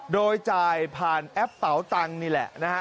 โดยจ่ายผ่านแอปเป๋าตังค์นี่แหละนะฮะ